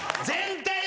全体！